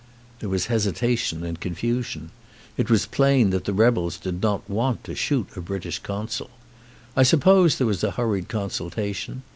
There was hesitation and confusion. It was plain that the rebels did not want to shoot a British consul. I suppose there was a hurried consultation.